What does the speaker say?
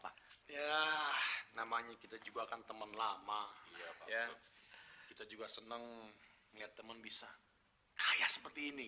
pak ya namanya kita juga akan teman lama kita juga seneng lihat teman bisa kayak seperti ini